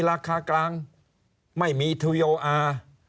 ราคากลางไม่มีทุโยอา